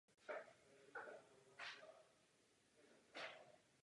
Vyskytují se pouze u samců.